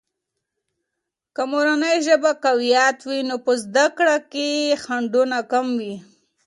که مورنۍ ژبه قوية وي، نو په زده کړه کې خنډونه کم وي.